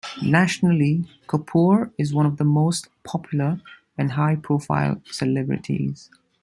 Nationally, Kapoor is one of the most popular and high-profile celebrities.